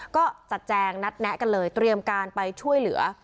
ก็จัดแจงนัดแนะกันเลยเตรียมการไปช่วยเหลือ